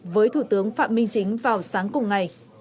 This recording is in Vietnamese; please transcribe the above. với thủ tướng phạm minh chính vào sáng ngày